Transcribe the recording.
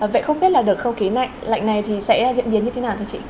vậy không biết là đợt không khí lạnh lạnh này thì sẽ diễn biến như thế nào thưa chị